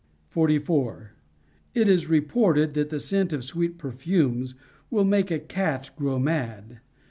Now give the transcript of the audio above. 4 1. It is reported that the scent of sweet perfumes will make a cat grow mad.